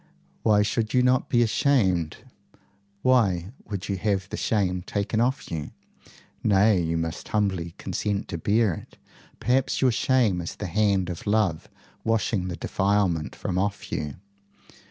Why should you not be ashamed? Why would you have the shame taken off you? Nay; you must humbly consent to bear it. Perhaps your shame is the hand of love washing the defilement from off you.